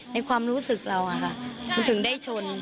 ในความรู้สึกเรามันถึงได้ชน